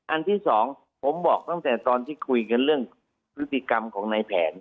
อันที่สองผมบอกตั้งแต่ตอนที่คุยกันเรื่องพฤติกรรมของนายแผน